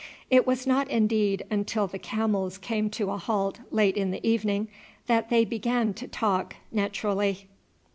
It was not, indeed, until the camels came to a halt late in the evening that they began to talk naturally.